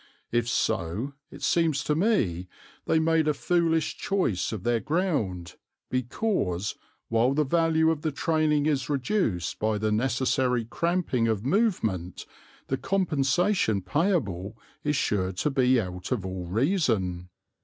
If so, it seems to me, they made a foolish choice of their ground, because, while the value of the training is reduced by the necessary cramping of movement, the compensation payable is sure to be out of all reason."